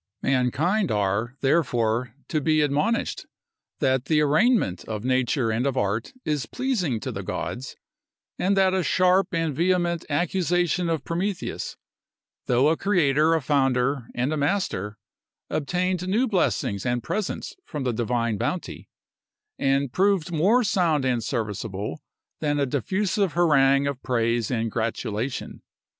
Mankind are, therefore, to be admonished, that the arraignment of nature and of art is pleasing to the gods; and that a sharp and vehement accusation of Prometheus, though a creator, a founder, and a master, obtained new blessings and presents from the divine bounty, and proved more sound and serviceable than a diffusive harangue of praise and gratulation.